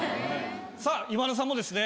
さあ今田さんもですね